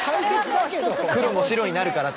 黒も白になるからと。